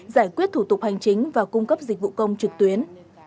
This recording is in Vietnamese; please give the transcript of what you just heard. giải quyết thủ tục hành chính và cung cấp dịch vụ công trực tuyến